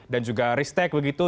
dan juga ristek begitu